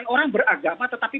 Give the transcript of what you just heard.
orang beragama tetapi